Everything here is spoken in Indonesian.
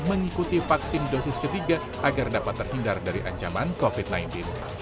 mengikuti vaksin dosis ketiga agar dapat terhindar dari ancaman covid sembilan belas